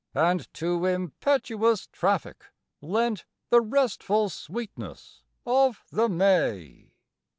And to impetuous traffic lent The restful sweetness of the may.